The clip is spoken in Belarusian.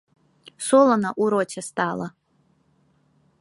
Солана ў роце стала.